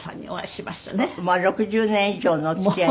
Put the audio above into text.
もう６０年以上のお付き合い。